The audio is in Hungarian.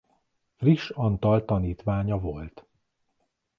Friss Antal tanítványa volt.